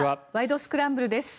スクランブル」です。